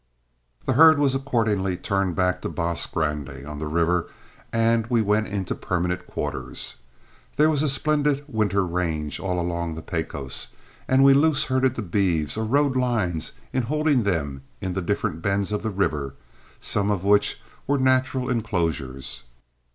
The herd was accordingly turned back to Bosque Grande on the river, and we went into permanent quarters. There was a splendid winter range all along the Pecos, and we loose herded the beeves or rode lines in holding them in the different bends of the river, some of which were natural inclosures.